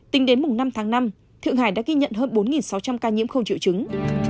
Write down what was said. tính đến năm tháng năm thượng hải đã ghi nhận hơn bốn sáu trăm linh ca nhiễm không triệu chứng